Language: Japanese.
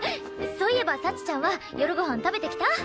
そういえば幸ちゃんは夜ご飯食べてきた？